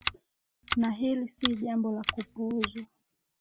na hili si jambo la kupuuzwa